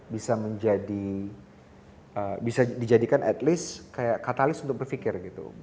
bisa menjadi bisa dijadikan at least kayak katalis untuk berpikir gitu